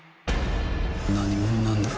何者なんだ？